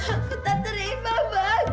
aku tak terima bang